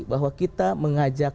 bahwa kita mengajak